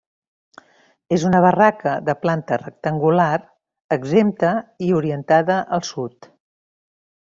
És una barraca de planta rectangular, exempta i orienta al sud.